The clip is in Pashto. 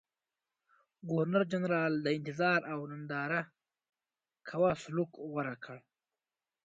ګورنرجنرال د انتظار او ننداره کوه سلوک غوره کړ.